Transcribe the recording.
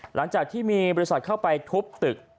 หลังจากที่มีบริษัทเข้าไปทุบตึก